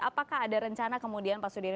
apakah ada rencana kemudian pak sudir